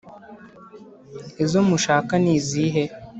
izo mushaka ni izihe’